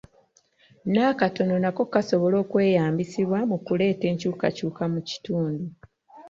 N'akatono nako kasobola okweyambisibwa mu kuleeta enkyukakyuka mu kitundu.